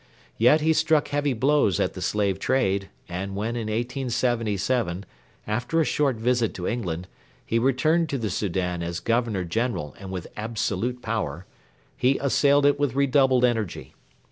Yet he struck heavy blows at the slave trade, and when in 1877, after a short visit to England, he returned to the Soudan as Governor General and with absolute power, he assailed it with redoubled energy.